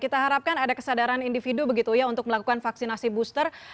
kita harapkan ada kesadaran individu begitu ya untuk melakukan vaksinasi booster